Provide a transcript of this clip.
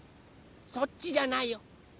そっちじゃないよ。